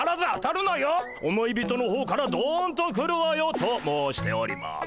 思い人の方からどんと来るわよ！」と申しております。